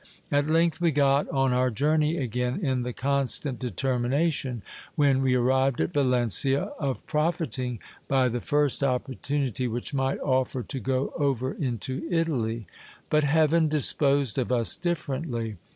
At length we got on our journey again, in the constant determination, when we arrived at Valencia, of profiting by the first opportunity which might offer to go over into Italy. But heaven disposed of us differently.